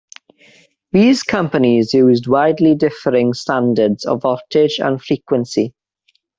These companies used widely differing standards of voltage and frequency.